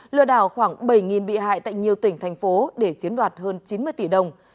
lừa đảo khoảng bảy bị hại tại nhiều tỉnh thành phố để chiến đoạt hơn chín mươi tỷ đồng